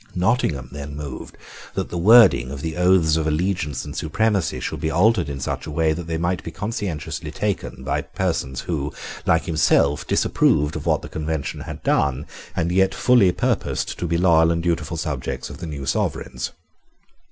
Nottingham then moved that the wording of the oaths of allegiance and supremacy should be altered in such a way that they might be conscientiously taken by persons who, like himself, disapproved of what the Convention had done, and yet fully purposed to be loyal and dutiful subjects of the new sovereigns.